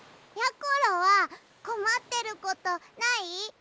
ころはこまってることない？